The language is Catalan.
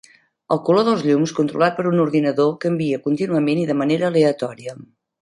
El color dels llums, controlat per un ordinador, canvia contínuament i de manera aleatòria.